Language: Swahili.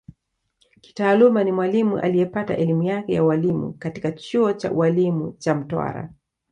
Kitaaluma ni Mwalimu liyepata elimu yake ya Ualimu katika chuo cha ualimu cha Mtwara